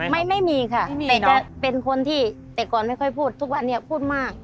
ไม่มีค่ะแต่จะเป็นคนที่แต่ก่อนไม่ค่อยพูดทุกวันนี้พูดมาก